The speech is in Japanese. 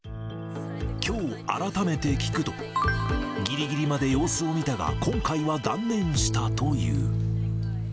きょう改めて聞くと、ぎりぎりまで様子を見たが、今回は断念したという。